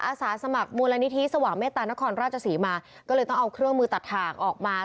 อาสาสมัครมูลนิธิสว่างเมตตานครราชศรีมาก็เลยต้องเอาเครื่องมือตัดถ่างออกมา